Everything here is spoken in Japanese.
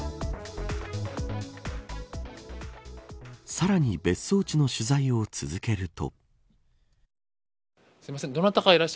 さらに別荘地の取材を続けると。